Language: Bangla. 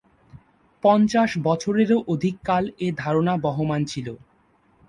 পঞ্চাশ বছরেরও অধিককাল এ ধারণা বহমান ছিল।